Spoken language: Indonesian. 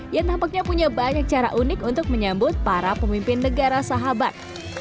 yang tampaknya punya banyak cara unik untuk menyambut para pemimpin negara sahabat